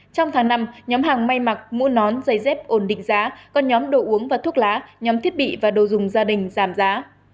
trong tháng năm nhóm hàng may mặc mũ nón giày dép ổn định giá còn nhóm đồ uống và thuốc lá nhóm thiết bị và đồ dùng gia đình giảm giá